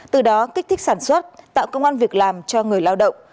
từ đó kích thích sản xuất tạo công an việc làm cho người lao động